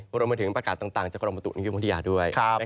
ก็รวมมาถึงประกาศต่างจากกรมตุนิพยาด้วย